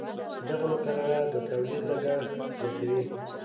دغه مقررات د تولید لګښت زیاتوي.